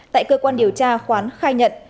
tại cơ quan điều tra khoán khai nhận